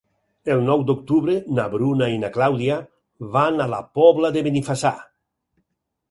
El nou d'octubre na Bruna i na Clàudia van a la Pobla de Benifassà.